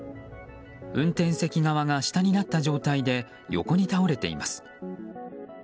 運転席側が下になった状態で横に倒れています。